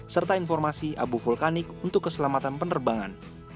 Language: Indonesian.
serta informasi abu vulkanik untuk keselamatan penerbangan